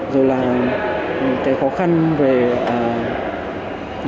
rồi là cái khó khăn về những cái thể chế